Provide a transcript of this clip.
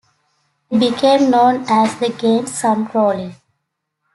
They became known as 'The Giant Sun Trolley'.